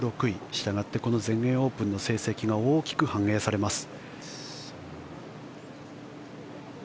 したがってこの全英オープンの成績が大きく反映されます。